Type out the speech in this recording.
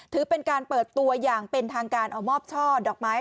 ถือเป็นการเปิดตัวอย่างเป็นทางการเอามอบช่อดอกไม้